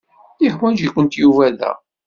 Yeḥwaǧ-ikent Yuba da.